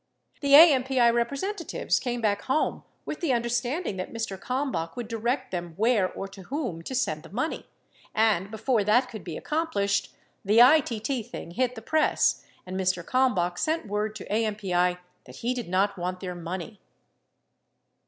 The AMPI representatives came back home with the un derstanding that Mr. Kalmbach would direct them where or to whom to send the money, and before that could be accom plished the ITT thing hit the press, and Mr. Kalmbach sent word to AMPI that he did not want their money.